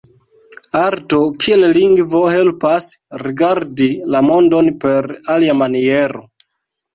Arto kiel lingvo helpas rigardi la mondon per alia maniero.